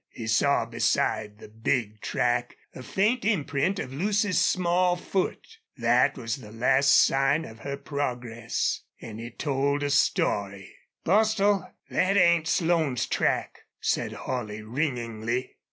He saw beside the big track a faint imprint of Lucy's small foot. That was the last sign of her progress and it told a story. "Bostil, thet ain't Slone's track," said Holley, ringingly.